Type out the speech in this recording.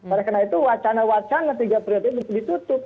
oleh karena itu wacana wacana tiga periode ditutup